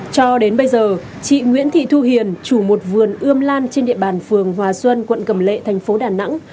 cho đến bây giờ chị nguyễn thị thu hiền chủ một vườn ươm lan trên địa bàn phường hòa xuân quận cầm lệ thành phố đà nẵng